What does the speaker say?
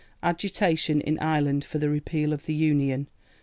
Agitation in Ireland for the Repeal of the Union.